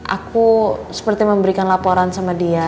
aku seperti memberikan laporan sama dia